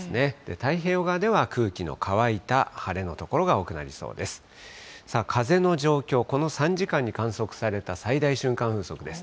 太平洋側では、空気の乾いた晴れの所が多くなりそうです。